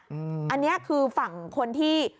อันนี้คือฝั่งคนที่